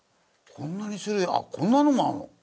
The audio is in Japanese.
こんなに種類あっこんなのもあるの？